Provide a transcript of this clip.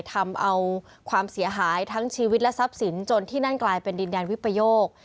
ทำเอาความเสียหายทั้งชีวิตและทรัพย์สินจนที่นั่นกลายเป็นดินแดนวิปโยค